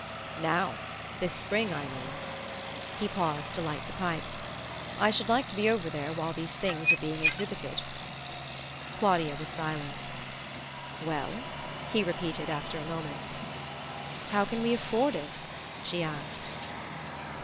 "Now this spring, I mean." He paused to light the pipe. "I should like to be over there while these things are being exhibited." Claudia was silent. "Well?" he repeated after a moment. "How can we afford it?" she asked.